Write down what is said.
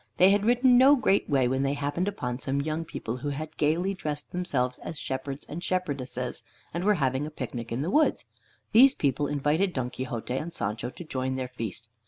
They had ridden no great way when they happened upon some young people who had gaily dressed themselves as shepherds and shepherdesses, and were having a picnic in the woods. These people invited Don Quixote and Sancho to join their feast.